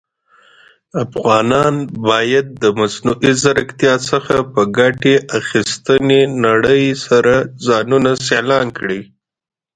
افغانان بايد د مصنوعى ځيرکتيا څخه په ګټي اخيستنې نړئ سره ځانونه سيالان کړى.